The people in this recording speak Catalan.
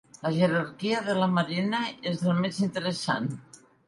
La jerarquia de la Marina és la més interessant.